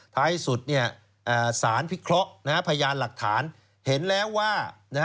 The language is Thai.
ท้ายที่สุดเนี่ยภาระหลักฐานสารพิเคราะห์เห็นแล้วว่า